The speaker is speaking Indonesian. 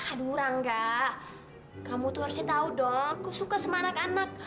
aduh rangga kamu tuh harusnya tahu dong aku suka sama anak anak